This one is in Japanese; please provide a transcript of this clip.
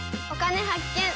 「お金発見」。